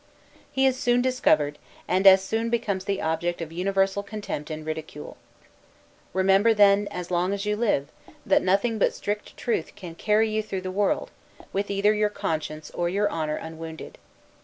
He is soon discovered, and as soon becomes the object of universal contempt and ridicule. Remember, then, as long as you live, that nothing but strict truth can carry you through the world, with either your conscience or your honor unwounded.